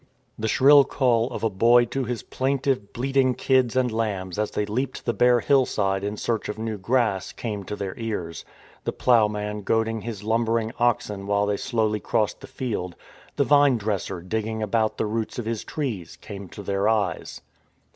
The shrill call of a boy to his plaintive, bleating kids and lambs, as they leaped the bare hillside in search of new grass, came to their ears; the ploughman goading his lumbering oxen while they slowly crossed the field; the vine dresser digging about the roots of his trees, came to their eyes.